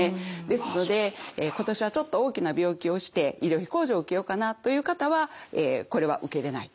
ですので今年はちょっと大きな病気をして医療費控除を受けようかなという方はこれは受けれない。